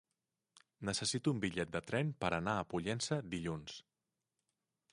Necessito un bitllet de tren per anar a Pollença dilluns.